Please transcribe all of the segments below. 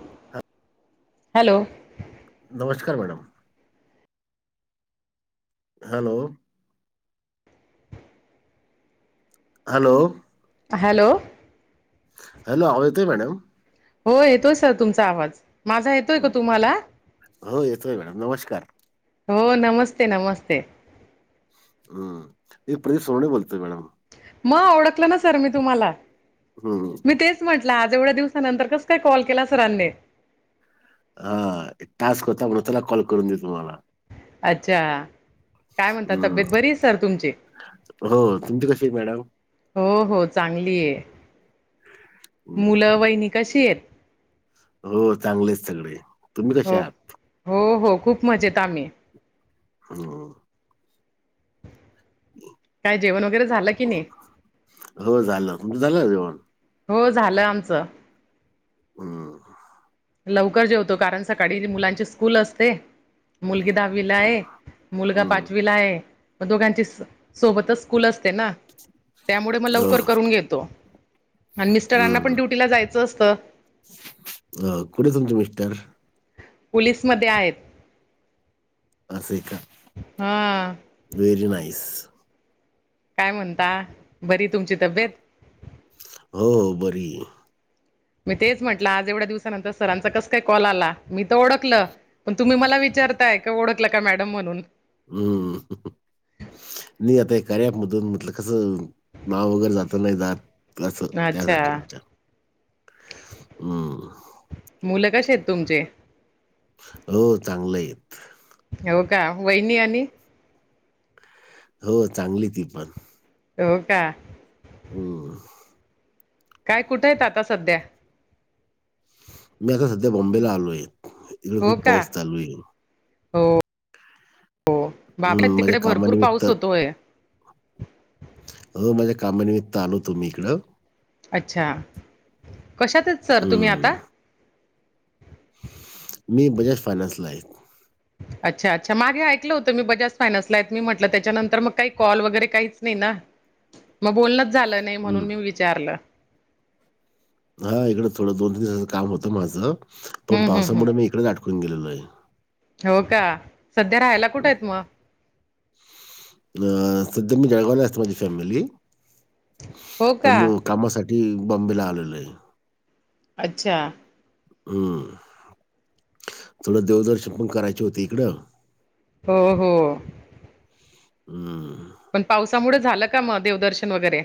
[unintelligible] Hello नमस्कार madam. Hello. Hello. Hello. Hello आवाज येतोय मॅडम? हो येतोय सर तुमचा आवाज माझा येतोय का हं. तुम्हाला? हो येतोय मॅडम नमस्कार. हो नमस्ते नमस्ते हम्म, ते प्रदीप सोवणे बोलतोय मॅडम. मग ओळखलं ना सर मी तुम्हाला. हम्म. मी तेच म्हटलं आज एवढ्या दिवसानंतर कस काय कॉल केला सरांनी. हा टास्क होता म्हणून त्याला कॉल करून देतो मला. अच्छा काय म्हणता, हं. तब्येत बरीये सर तुमची? हो तुमची कशी आहेत मॅडम? हो हो, चांगली आहे. [inaudible] मुलं वहिनी कशी आहेत? हो चांगले आहेत सगळे. तुम्ही कसे हो आहात? हो हो. खूप मजेत आम्ही. हम्म. काय जेवण वगैरे झालं की नाही? हो, झालं. तुमचं झालं का जेवण? हो झालं आमचं. हम्म. लवकर जेवतो कारण सकाळी मुलांची स्कूल असते. मुलगी दहावीला आहे, मुलगा हं. पाचवीला आहे. मग दोघांची सोबतच स्कूल असते ना. त्यामुळे मग हो, लवकर करून घेतो आणि मिस्टरांना पण हं. ड्युटीला जायचं असतं. अ कुठं आहे तुमचे मिस्टर? पोलीसमध्ये आहेत. असंय का? हम्म. Very nice. काय म्हणता बरी तुमची तब्येत? हो बरी आहे. मी तेच म्हटलं आज एवढ्या दिवसानंतर सरांचा कस काय कॉल आला, मी तर ओडखलं पण तुम्ही मला वि विचारताय का ओळखला का मॅडम म्हणून. हम्म. नाही आता हे कार्या ॲपमधून म्हटलं कसं नाव वगैरे जात नाही जात. तसं त्यासाठी अच्छा विचारतो हम्म. मुलं कसे आहेत तुमचे? हो चांगलं आहेत. हो का वहिनी आणि हो चांगली ती पण. हो का? हम्म. काय कुठेत आत्ता सध्या? मी आता सध्या बॉम्बेला आलोय. इकडे खूप का? पाऊस चालू आहे. हो हो. बाबा हम्म, माझ्या तिकडे भरपूर कामानिमित्त पाऊस होतोय. हो माझ्या कामानिमित्त आलो होतो मी इकडं. अच्छा. कशात आहेत सर तुम्ही हम्म. आता? मी बजाज फायनान्सला आहे. अच्छा अच्छा मागे ऐकलं होतं मी बजाज फायनान्सला आहेत मी म्हटलं, त्याच्यानंतर मग काही कॉल वगैरे काहीच नाही ना. मग बोलणच झालं नाही हम्म. म्हणून मी विचारलं. हा इकडं थोडं दोन तीन दिवसाचं काम होतं माझं, पण हम्म हम्म पावसामुळे मी हम्म इकडेच आटकून गेलेलो आहे. हो का सध्या राहायला कुठे आहेत मग? अ सध्या मी जळगावला असते माझी फॅमिली, हो पण का? मी कामासाठी बॉम्बेला आलेलो आहे. अच्छा. हम्म. थोडं देवदर्शन पण करायची होती इकडं. हो हो. हम्म. पण पावसामुळे झालं का मग देवदर्शन वगैरे.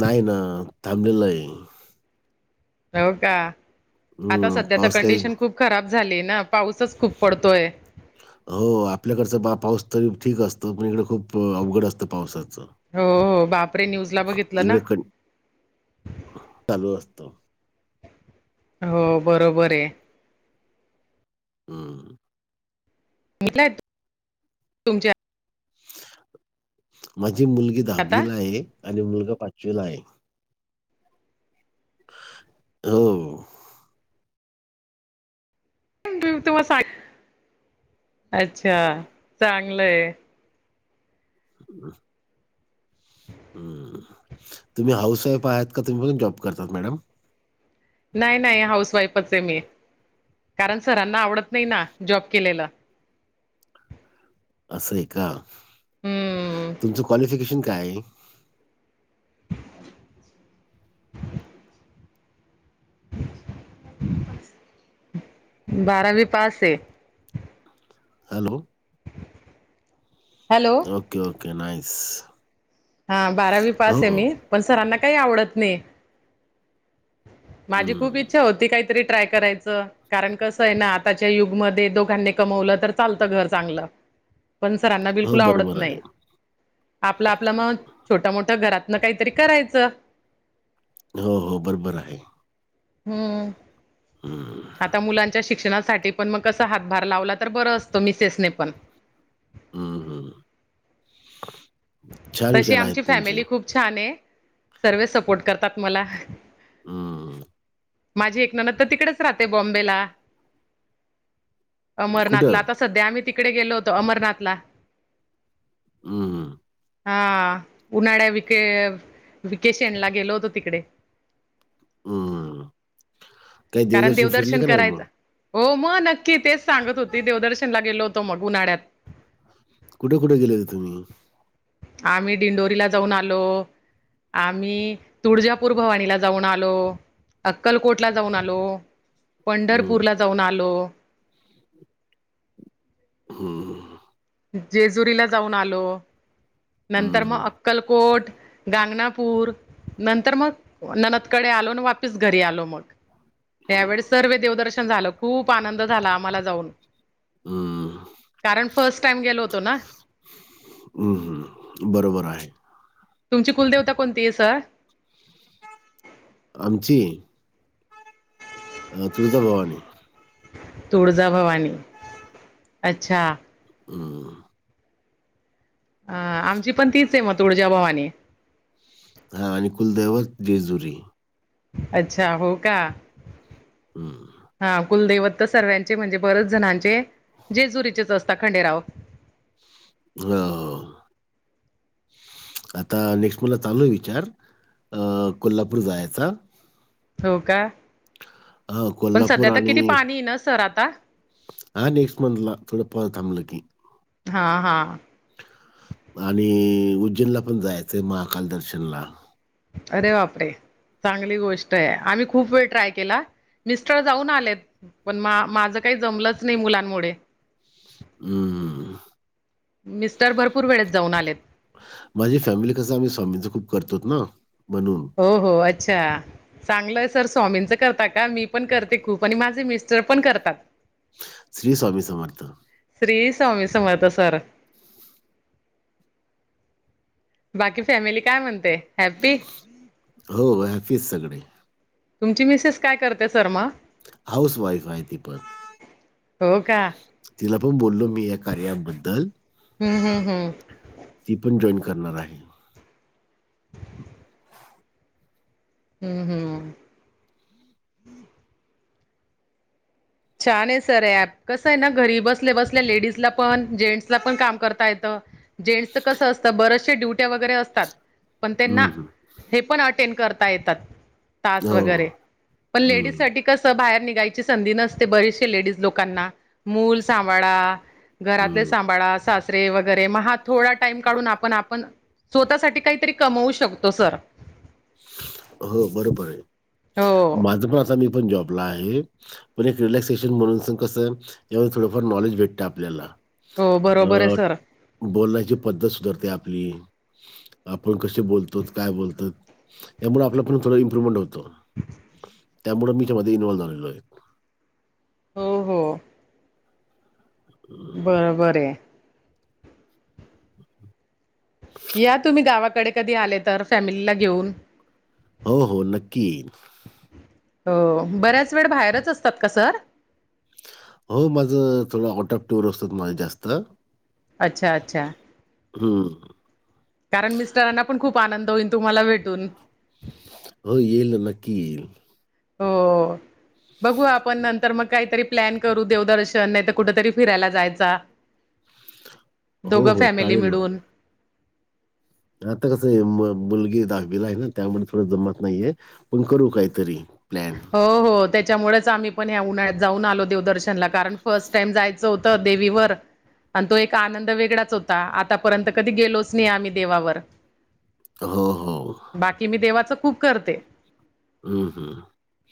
नाही ना. थांबेल हाय. हो का? आता हम्म सध्या तर पाऊस काही कंडिशन खूप खराब झालीये ना पाऊसच खूप पडतोय. हो आपल्याकडचं बा पाऊस तरी ठीक असतं, पण इकडे खूप अवघड असतं पावसाचं. हो हो बापरे न्यूजला बघितलं इकडे ना. कण चालू असतो. हो बरोबर आहे. हम्म. [unintelligible] तुमच्या माझी मुलगी आता दहावीला आहे आणि मुलगा पाचवीला आहे. हो. [unintelligible] अच्छा चांगलय. [unintelligible] हम्म. तुम्ही हाऊस वाईफ आहात का, तुम्ही पण जॉब करतात मॅडम? नाही नाही हाऊस वाईफच आहे मी, कारण सरांना आवडत नाही ना जॉब केलेलं. असं आहे का, हम्म तुमचं क्वालिफिकेशन काय आहे? बारावी पास आहे. Hello. Hello. Okay okay nice. हा बारावी हो पास आहे हो मी, पण सरांना काही आवडत नाही. माझी खूप हम्म. इच्छा होती काहीतरी ट्राय करायचं. कारण कसं आहे ना आताच्या युगमध्ये दोघांनी कमवलं तर चालतं घर चांगलं. पण सरांना हो बिलकुल आवडत बरोबर नाही. आहे आपला आपलं मग छोटं मोठं घरातनं काहीतरी करायचं. हो हो बरोबर आहे. हम्म. हम्म. आता मुलांच्या शिक्षणासाठी पण मग कस हातभार लावला, तर बरं असतं मिसेसनी पण. हम्म हम्म. तशी आमची फॅमिली खूप छान आहे. सर्व सपोर्ट करतात मला. हम्म. माझी एक नणंद तर तिकडेच राहते बॉम्बेला अमरनाथला. कुठं? आता सध्या आम्ही तिकडे गेलो होतो अमरनाथला. हम्म हम्म. हा उन्हाळ्या विके-विकेशनला गेलो होतो तिकडे. हम्म. काही कारण देवदर्शन फिरले का नाही करायचं मग? हो मग नक्की तेच सांगत होती देवदर्शनला गेलो होतो मग उन्हाळ्यात. कुठे कुठे गेले होते तुम्ही? आम्ही डिंडोरीला जाऊन आलो. आम्ही तुळजापूर भवानीला जाऊन आलो. अक्कलकोटला जाऊन आलो, हं, पंढरपूरला जाऊन आलो. हम्म हम्म. जेजुरीला जाऊन आलो. नंतर मग हं, अक्कलकोट गानगापूर नंतर मग नणंदकडे आलो आणि वापीस घरी आलो मग. यावेळी सर्व देवदर्शन झालं, खूप आनंद झाला आम्हाला जाऊन. हं, कारण फर्स्ट टाइम गेलो होतो ना. हम्म हम्म. बरोबर आहे. तुमची कुलदेवता कोणती आहे सर? आमची आता तुळजाभवानी. तुळजाभवानी अच्छा. हम्म. अ आमची पण तीच आहे मग तुळजाभवानी. हा आणि कुलदैवत जेजुरी. अच्छा हो का? हं. हा. कुलदैवत सर्व्यांचे म्हणजे बरेच जणांचे जेजुरीचेच असतात खंडेराव. हो. आता नेक्स्ट मंथ चालू आहे विचार अ कोल्हापूर जायचा. हो का? हां, पण कोल्हापूर सध्या तर किती पाणी आहे ना सर आता. हा नेक्स्ट मंथला थोडं पाऊस थांबला की. हा हा. आणि उज्जैनला पण जायचंय महाकाल दर्शनला. अरे बापरे. चांगली गोष्ट आहे. आम्ही खूप वेळ ट्राय केला मिस्टर जाऊन आलेत. पण मा-माझं काही जमलंच नाही मुलांमुळे. हम्म. मिस्टर भरपूर वेळेत जाऊन आलेत. माझी फॅमिली कसं आहे. आम्ही स्वामींच खूप करतोत ना म्हणून. हो हो अच्छा. चांगलंय सर स्वामींचं करता का मी पण करते खूप आणि माझे मिस्टर पण करतात. श्री स्वामी समर्थ. श्री स्वामी समर्थ सर. बाकी फॅमिली काय म्हणते हॅप्पी? हो [unintelligible] सगळे. तुमची मिसेस काय करते सर मग? हाऊस वाईफ आहे ती पण. हो का? तिला पण बोललो मी या कार्याबद्दल. हं, हं, हं, मी पण जॉईन करणार आहे. हम्म हम्म. छान आहे सर हे ॲप. कसं आहे ना घरी बसले बसल्या लेडीजला पण, जेंट्सला पण काम करता येतं. जेंट्सच कसं असतं बरेचसे ड्युट्या वगैरे असतात, पण त्यांना हं, हं. हे पण अटेंड करता येतात तास हो, हो. वगैरे, पण हं, लेडीजसाठी कसं बाहेर निघायची संधी नसते, बरीेचसे लेडीज लोकांना मूल सांभाळा. घरातले हं. सांभाळा सास ते वगैरे मग हा थोडा टाईम काढून आपण आपण स्वतः काहीतरी कमवू शकतो सर. हो बरोबर आहे, हो, माझपण आता मी पण जॉबला आहे. पण एक रिलॅक्सेशन म्हणून कसं, ज्यावेळेस थोडंफार नॉलेज भेटतय आपल्याला. हो अ, बरोबर आहे सर. बोलण्याची पद्धत सुधारते आपली आपण कसे बोलतो काय बोलतो. त्यामुळे आपला पण थोडं इम्प्रुव्हमेंट होतो. त्यामुळे मी त्यामध्ये एन्व्हॉल झालेलो आहे. हो हो. हं. बरोबर आहे. या तुम्ही गावाकडे कधी आलेतर फॅमिलीला घेऊन. हो हो नक्की येईल. हो बऱ्याच वेळ बाहेरचं असतात का सर? हो माझ थोडं आउट ऑफ टूर असतात माझं जास्त. अच्छा अच्छा हं कारण मिस्टरांना पण खूप आनंद होईल तुम्हाला भेटून. हो येईल ना नक्की येईल. हो बघू आपण नंतर मग काहीतरी. प्लॅन करू देवदर्शन, नाहीतर कुठ तरी फिरायला जायचा. हो, दोघं हो. फॅमिली चालेल ना. मिळून आता कसं आहे मुलगी दहावीला आहे ना त्यामुळे थोड जमत नाहीये. आपण करू काहीतरी प्लॅन. हो हो त्याच्यामुळेच आम्ही पण ह्या उन्हाळ्यात जाऊन आलो देवदर्शनला कारण फर्स्ट टाइम जायचं होतं देवीवर. आणि तो एक आनंद वेगळाच होता, आतापर्यंत कधी गेलोच नाही आम्ही देवावर. हो हो. बाकी मी देवाचं खुप करते. हम्म हम्म.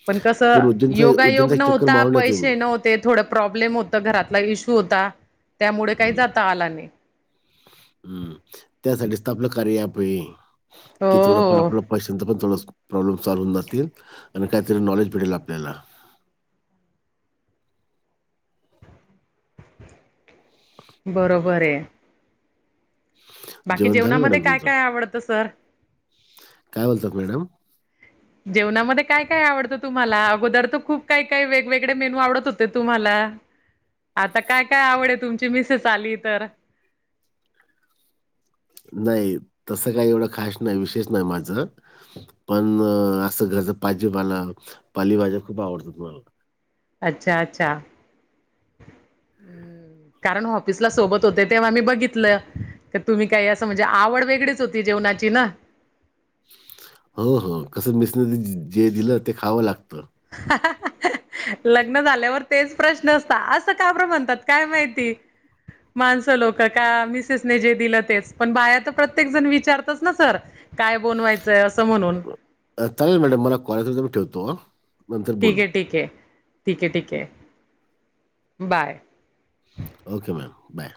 पण कसं योगायोग चक्कर नव्हता, मारून या तुम्ही. पैसे नव्ह ते थोडं प्रॉब्लेम होतं, घरातला इशू होता. त्यामुडे काही जाता आला नाही. हम्म त्यासाठीच तर आपलं कार्यव्याप आहे हो कि थोडंफार हो आपलं. पैशांचे पण थोड प्रॉब्लेम सॉल्व होऊन जातील आणि काहीतरी नॉलेज भेटेल आपल्याला. बरोबर हे. बाकी जेवण झालं जेवणामध्ये मॅडम काय तुमचं? काय आवडतं सर? काय बोलतात मॅडम? जेवणामध्ये काय काय आवडत तुम्हाला? अगोदर तर खूप काय काय वेगवेगळे मेनू आवडत होते तुम्हाला. आता काय काय आवड आहे तुमची मिसेस आली तर. नाही तसं काही एवढं खास नाही विशेष नाही माझ. पण असं घरच भाजीपाला पालीभज्या खूप आवडतात मला. अच्छा अच्छा. [inaudible] हम्म. कारण ऑफिसला सोबत होते तेव्हा मी बघितलं. तर तुम्ही काही असं म्हणजे आवड वेगळीच होती जेवणाची ना. हो हो कस मिसेसने जे दिलं ते खावं लागत. लग्न झाल्यावर तेच प्रश्न असतात. असे काबरे म्हणतात काय माहिती. माणसं लोक का मिसेसने जे दिलं तेच पण बाहेर तर प्रत्येक जण विचारतच ना सर. काय बनवायचंय असं म्हणून. आ चालेल मॅडम, मला [unintelligible] मी ठेवतो हा. ठीक आहे ठीक आहे ठीक आहे ठीक आहे बाय. Okay ma'am bye.